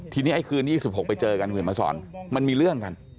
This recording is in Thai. ทีนี้คืน๒๖ไปเจอกันมาสอนมันมีเรื่องกัน